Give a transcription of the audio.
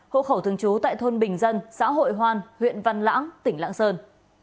hỗ khẩu thường trú tại thôn bình dân xã hội hoan huyện văn lãng tỉnh lãng sơn